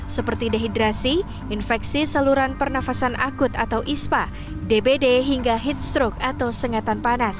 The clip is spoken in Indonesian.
seperti dehidrasi infeksi saluran pernafasan akut atau ispa dbd hingga heat stroke atau sengatan panas